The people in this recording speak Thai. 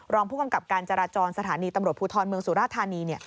รองผู้กำกับการจราจรสถานีตำรวจภูทรเมืองสุราธานี